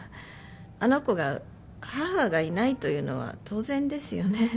あの子が「母がいない」と言うのは当然ですよね